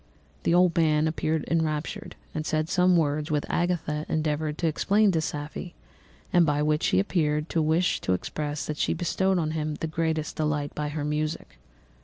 The old man appeared enraptured and said some words which Agatha endeavoured to explain to Safie, and by which he appeared to wish to express that she bestowed on him the greatest delight by her music.